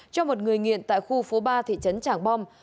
cho một người nghiện tại khu phố ba thị trấn tràng bom